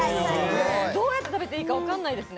どうやって食べていいかわかんないね。